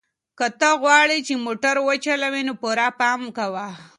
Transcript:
که ته غواړې چې موټر وچلوې نو پوره پام کوه.